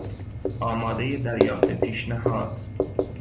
آماده دریافت پیشنهاد